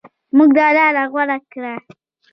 موږ دا لاره غوره کړه.